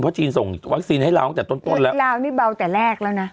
เพราะจีนส่งวัคซีนให้เราตั้งแต่ต้นต้นแล้วลาวนี่เบาแต่แรกแล้วนะ